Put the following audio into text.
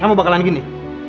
kamu bakalan gini